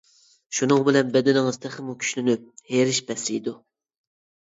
شۇنىڭ بىلەن بەدىنىڭىز تېخىمۇ كۈچلىنىپ، ھېرىشى پەسىيىدۇ.